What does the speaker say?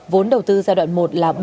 vốn đầu tư giai đoạn một là